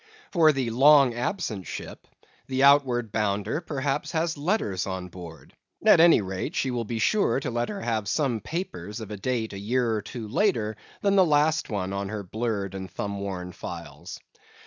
For the long absent ship, the outward bounder, perhaps, has letters on board; at any rate, she will be sure to let her have some papers of a date a year or two later than the last one on her blurred and thumb worn files.